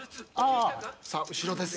さあ後ろです。